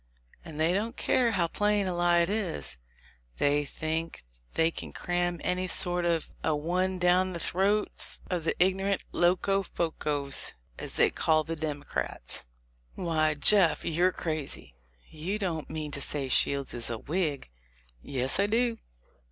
And they don't care how plain a lie it is : they think they can cram any sort of a one down the throats of the ignorant Locofocos, as they call the Democrats." "Why, Jeff, you're crazy: you don't mean to say Shields is a Whig!" "Yes, I do."